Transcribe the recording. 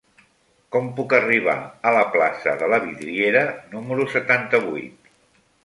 Com puc arribar a la plaça de la Vidriera número setanta-vuit?